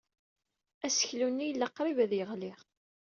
Aseklu-nni yella qrib ad yeɣli.